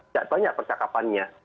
tidak banyak percakapannya